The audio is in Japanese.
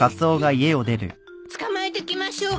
捕まえてきましょうか。